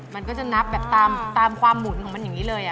มันก็จะนับแบบตามความหมุนของมันอย่างนี้เลย